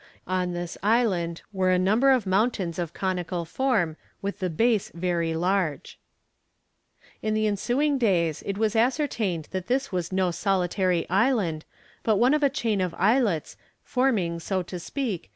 On this island were a number of mountains of conical form with the base very large. In the ensuing days it was ascertained that this was no solitary island, but one of a chain of islets forming so to speak the outworks of a lofty continent.